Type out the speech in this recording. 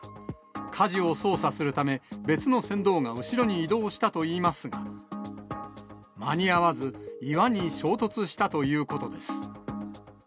かじを操作するため、別の船頭が後ろに移動したといいますが、間に合わず、岩に衝突したということです。